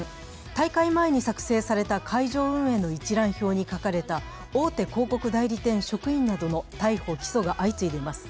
大会前に作成された会場運営の一覧表に書かれた大手広告代理店職員などの逮捕・起訴が相次いでいます。